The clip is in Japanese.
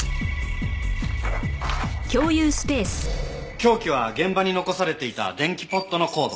凶器は現場に残されていた電気ポットのコード。